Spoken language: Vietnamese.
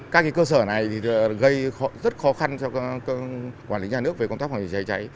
các cơ sở này gây rất khó khăn cho quản lý nhà nước về công tác phòng cháy cháy